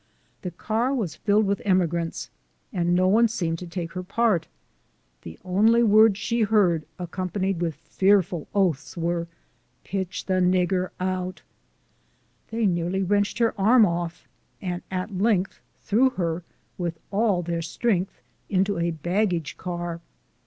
The car was filled with emigrants, and no one seemed to take her part. The only words she heard, accompa nied with fearful oaths, were, " Piti'h the nagur out !" They nearly wrenched her arm off, and at length threw her, with all their strength, into a baggage car.